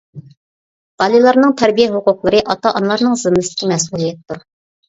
بالىلارنىڭ تەربىيە ھوقۇقلىرى ئاتا-ئانىلارنىڭ زىممىسىدىكى مەسئۇلىيەتتۇر.